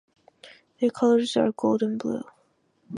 Their colors are gold and blue.